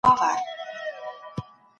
سالم ذهن آرامتیا نه ځنډوي.